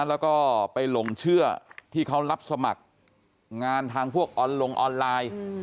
แล้วก็ไปหลงเชื่อที่เขารับสมัครงานทางพวกออนลงออนไลน์